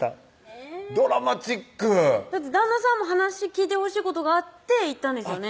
えぇドラマチックだって旦那さんも話聞いてほしいことがあって行ったんですよね